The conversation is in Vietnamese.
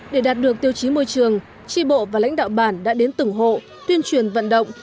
để đạt được tiêu chí môi trường tri bộ và lãnh đạo bản đã đến từng hộ tuyên truyền vận động